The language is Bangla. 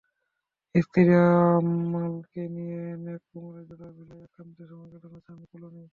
স্ত্রী আমালকে নিয়ে লেক কোমোর জোড়া ভিলায় একান্তে সময় কাটাতে চান ক্লুনি।